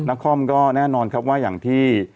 คอมก็แน่นอนครับว่าอย่างที่